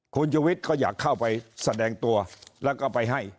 คุณชุวิตก็อยากเข้าไปแสดงตัวแล้วก็ไปให้